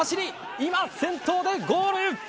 今、先頭でゴール。